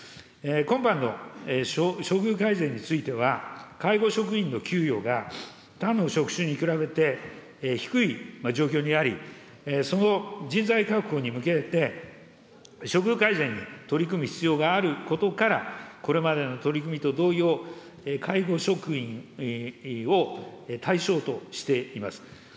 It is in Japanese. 今般の処遇改善については、介護職員の給与が他の職種に比べて低い状況にあり、その人材確保に向けて、処遇改善に取り組む必要があることから、これまでの取り組みと同様、介護職員を対象としています。